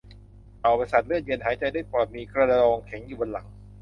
เต่าเป็นสัตว์เลือดเย็น หายใจด้วยปอด มีกระดองแข็งอยู่บนหลัง